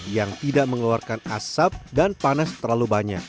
yang tidak mengeluarkan asap dan panas terlalu banyak